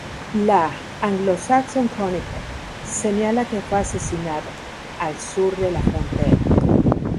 La "Anglo-Saxon Chronicle" señala que fue asesinado "al sur de la frontera".